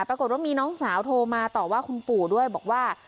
ปรากฏว่ามีน้องสาวโทรมาต่อว่าคุณปู่ด้วยบอกว่า